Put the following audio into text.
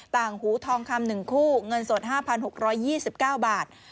ต่างหูทองคำ๑คู่เงินสด๕๖๒๙บาท